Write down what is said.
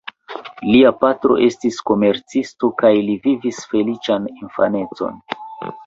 Lia patro estis komercisto kaj li vivis feliĉan infanecon.